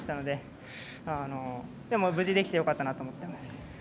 でも無事、できてよかったなと思っています。